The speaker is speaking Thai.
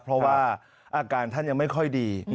เพราะว่าอาการท่านยังไม่ค่อยดี